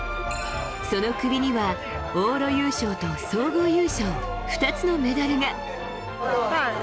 その首には、往路優勝と総合優勝、２つのメダルが。